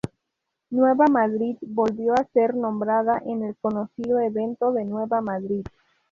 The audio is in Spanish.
Nueva Madrid volvió a ser nombrada en el conocido ""Evento de Nueva Madrid"".